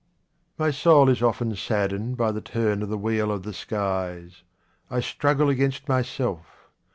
My soul is often saddened by the turn of the wheel of the skies. I struggle against myself.